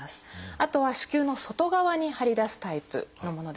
あとは子宮の外側に張り出すタイプのものです。